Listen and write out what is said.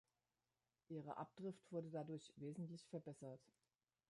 Ihre Abdrift wurde dadurch wesentlich verbessert.